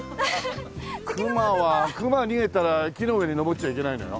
クマはクマ逃げたら木の上に登っちゃいけないのよ。